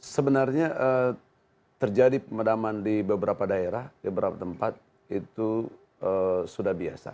sebenarnya terjadi pemadaman di beberapa daerah di beberapa tempat itu sudah biasa